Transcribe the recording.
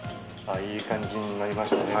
いい感じになりましたね。